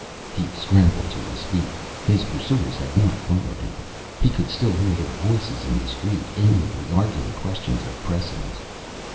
He scrambled to his feet. His pursuers had not followed him; he could still hear their voices in the street, amiably arguing questions of precedence.